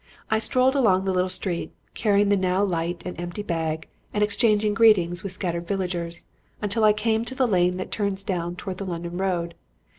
I strolled along the little street, carrying the now light and empty bag and exchanging greetings with scattered villagers, until I came to the lane that turns down towards the London Road.